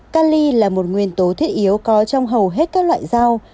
cali là một nguyên tố thiết yếu có trong hầu hết các loại rau